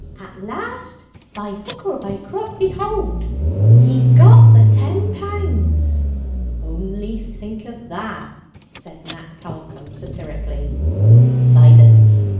At last by hook or by crook, behold he got the ten pounds!" "Only think of that!" said Nat Callcome satirically. "Silence!"